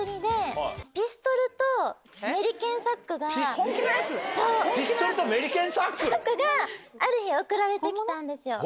ピストルとメリケンサック？ある日送られて来たんですよ。